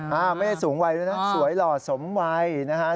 ไม่ได้สูงวัยด้วยนะสวยหล่อสมวัยนะฮะ